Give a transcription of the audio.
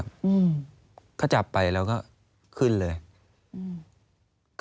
อันดับ๖๓๕จัดใช้วิจิตร